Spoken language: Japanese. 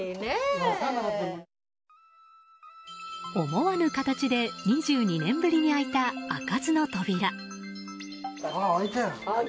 思わぬ形で２２年ぶりに開いた開かずの扉。